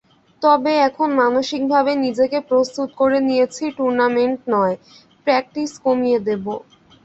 তবে এখন মানসিকভাবে নিজেকে প্রস্তুত করে নিয়েছি টুর্নামেন্ট নয়, প্র্যাকটিস কমিয়ে দেব।